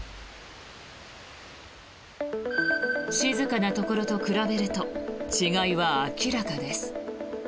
静かなところと比べると違いは明らかです。